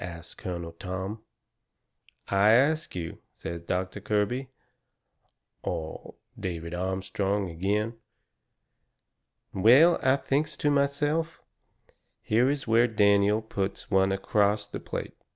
asts Colonel Tom. "I ask you," says Doctor Kirby or David Armstrong agin. Well, I thinks to myself, here is where Daniel puts one acrost the plate.